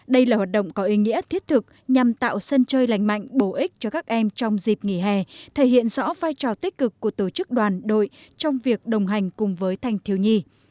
đây là hoạt động có ý nghĩa thiết thực nhằm tạo sân chơi lành mạnh bổ ích cho các em trong dịp nghỉ hè thể hiện rõ vai trò tích cực của tổ chức đoàn đội trong việc đồng hành cùng với thanh thiếu nhi